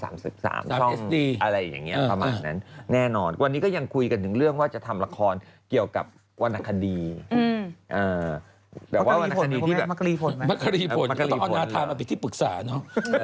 มักกะรีผลมักกะรีผลก็ต้องเอานาทามาไปที่ปรึกษาเนอะ